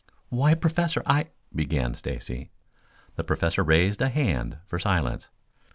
"Why, Professor, I " began Stacy. The Professor raised a hand for silence.